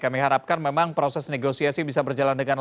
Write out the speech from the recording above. kami harapkan memang proses negosiasi bisa berjalan dengan baik